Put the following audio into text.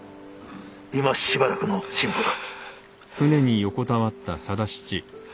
今しばらくの辛抱だ。